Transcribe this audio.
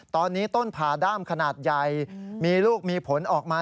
ตอนนี้ต้นผ่าด้ามขนาดใหญ่มีลูกมีผลออกมา